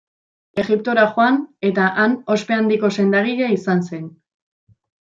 Egiptora joan, eta han ospe handiko sendagile izan zen.